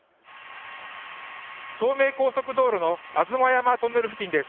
東名高速道路の吾妻山トンネル付近です。